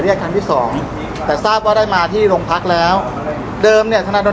พี่แจงในประเด็นที่เกี่ยวข้องกับความผิดที่ถูกเกาหา